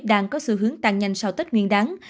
đang có sự hướng tăng nhanh sau tết nguyên đắng